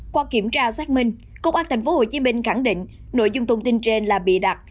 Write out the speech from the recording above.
qua kiểm tra xác minh công an tp hcm khẳng định nội dung thông tin trên là bịa đặt